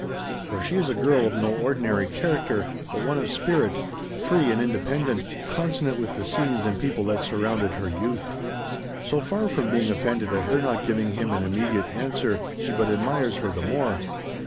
For she is a girl of no ordinary character, but one of spirit, free and independent, consonant with the scenes and people that surrounded her youth. So far from being offended at her not giving him an immediate answer, he but admires her the more.